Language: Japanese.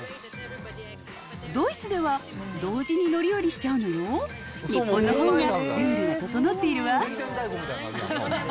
ドイツでは同時に乗り降りしちゃうのよ、日本のほうがルールが整っているわ。